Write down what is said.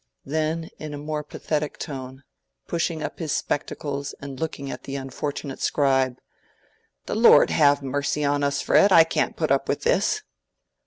Then in a more pathetic tone, pushing up his spectacles and looking at the unfortunate scribe, "The Lord have mercy on us, Fred, I can't put up with this!"